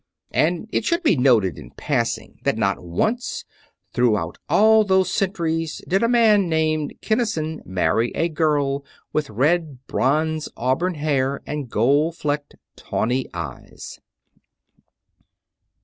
_ _And it should be noted in passing that not once, throughout all those centuries, did a man named Kinnison marry a girl with red bronze auburn hair and gold flecked, tawny eyes.